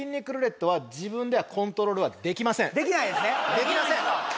できません！